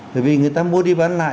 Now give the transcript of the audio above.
bởi vì người ta mua đi bán lại